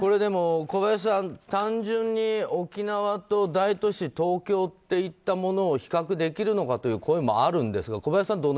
小林さん、単純に沖縄と大都市・東京といったものを比較できるのかという声もあるんですが小林さん